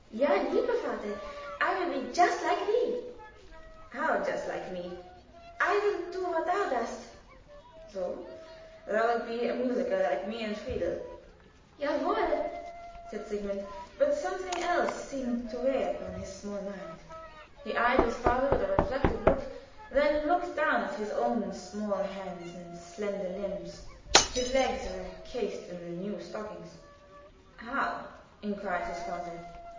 "Ja, lieber Vater, I will be just like thee." "How just like me?" "I will do what thou dost." "So! Thou wilt be a musiker like me and Friedel?" "Ja wohl!" said Sigmund, but something else seemed to weigh upon his small mind. He eyed his father with a reflective look, then looked down at his own small hands and slender limbs (his legs were cased in the new stockings). "How?" inquired his father.